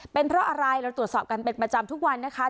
เป็นเพราะอะไรเราตรวจสอบกันเป็นประจำทุกวันนะคะ